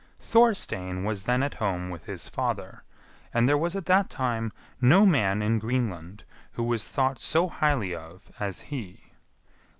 Thorstein was then at home with his father; and there was at that time no man in Greenland who was thought so highly of as he.